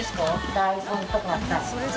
大根とかさ。